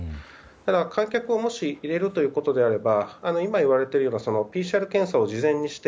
ただ観客をもし入れるということであれば今言われているようなＰＣＲ検査を事前にして